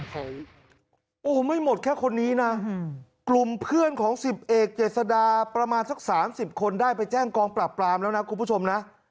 โอ้โหไม่หมดแค่คนนี้นะกลุ่มเพื่อนของสิบเอกเจษดาประมาณสัก๓๐คนได้ไปแจ้งกองปราบปรามแล้วนะคุณผู้ชมนะ